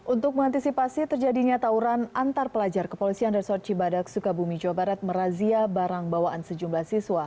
untuk mengantisipasi terjadinya tawuran antar pelajar kepolisian resort cibadak sukabumi jawa barat merazia barang bawaan sejumlah siswa